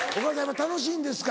今楽しいんですか？